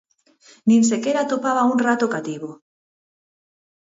Nin sequera atopaba un rato cativo.